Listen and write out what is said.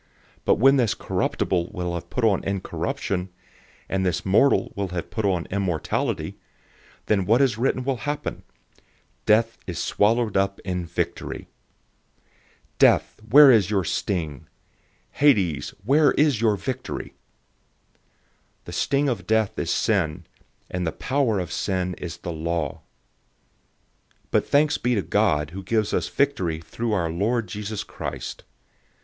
015:054 But when this corruptible will have put on incorruption, and this mortal will have put on immortality, then what is written will happen: "Death is swallowed up in victory."{Isaiah 25:8} 015:055 "Death, where is your sting? Hades{or, Hell}, where is your victory?"{Hosea 13:14} 015:056 The sting of death is sin, and the power of sin is the law. 015:057 But thanks be to God, who gives us the victory through our Lord Jesus Christ.